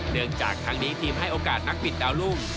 จากทางนี้ทีมให้โอกาสนักบิดดาวรุ่ง